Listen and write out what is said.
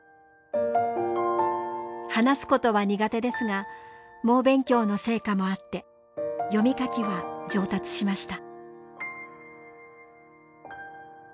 話すことは苦手ですが猛勉強の成果もあって読み書きは上達しました。